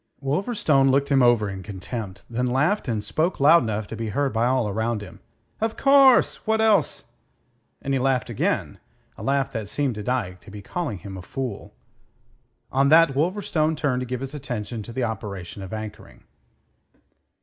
Wolverstone looked him over in contempt, then laughed and spoke loud enough to be heard by all around him. "Of course. What else?" And he laughed again, a laugh that seemed to Dyke to be calling him a fool. On that Wolverstone turned to give his attention to the operation of anchoring.